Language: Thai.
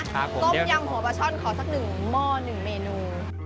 ต้มยำหัวปลาช่อนขอสักหนึ่งหม้อ๑เมนู